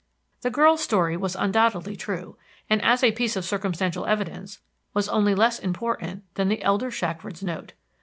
The girl's story was undoubtedly true, and as a piece of circumstantial evidence was only less important than the elder Shackford's note.